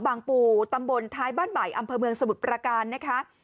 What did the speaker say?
ปูตำบลท้ายบ้านใหม่อำเภอเมืองสมุทรประการนะคะ